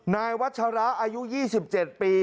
นายวัชระอายุ๒๗ปี